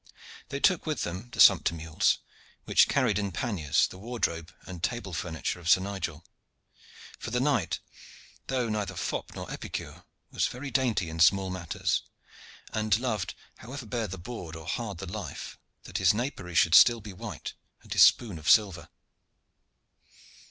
They took with them the sumpter mules, which carried in panniers the wardrobe and table furniture of Sir Nigel; for the knight, though neither fop nor epicure, was very dainty in small matters, and loved, however bare the board or hard the life, that his napery should still be white and his spoon of silver.